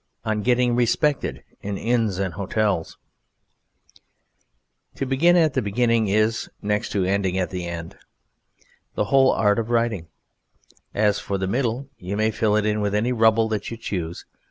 ON GETTING RESPECTED IN INNS AND HOTELS To begin at the beginning is, next to ending at the end, the whole art of writing; as for the middle you may fill it in with any rubble that you choose.